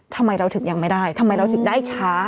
ทำไมเราถึงยังไม่ได้ทำไมเราถึงได้ช้า